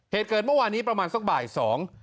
เหตุเกิดเมื่อวานนี้ประมาณสักบ่ายสอง